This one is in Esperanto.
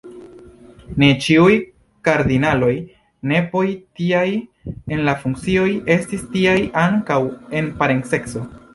Ne ĉiuj kardinaloj nepoj, tiaj en la funkcioj, estis tiaj ankaŭ en parenceco.